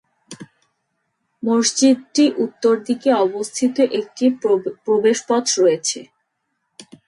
মসজিদটি উত্তর দিকে অবস্থিত একটি প্রবেশ পথ রয়েছে।